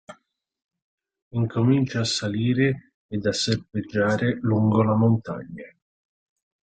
Incomincia a salire ed a serpeggiare lungo la montagna.